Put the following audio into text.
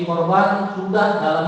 korban sudah dalam